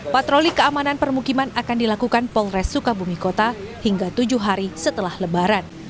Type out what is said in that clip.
patroli keamanan permukiman akan dilakukan polres sukabumi kota hingga tujuh hari setelah lebaran